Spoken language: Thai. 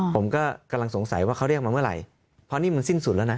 ผมก็กำลังสงสัยว่าเขาเรียกมาเมื่อไหร่เพราะนี่มันสิ้นสุดแล้วนะ